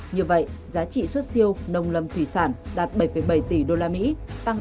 như vậy giá trị xuất siêu nông lâm thủy sản đạt bảy bảy tỷ usd tăng tám mươi ba bảy